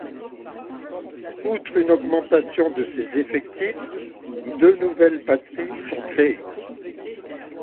Outre une augmentation de ses effectifs, deux nouvelles batteries sont créées.